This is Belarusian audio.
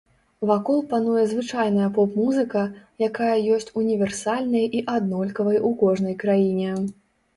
Вакол пануе звычайная поп-музыка, якая ёсць універсальнай і аднолькавай у кожнай краіне.